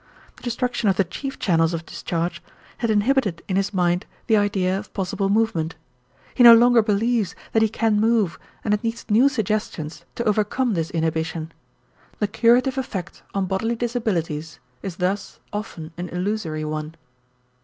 The destruction of the chief channels of discharge had inhibited in his mind the idea of possible movement. He no longer believes that he can move and it needs new suggestions to overcome this inhibition. The curative effect on bodily disabilities is thus often an illusory one.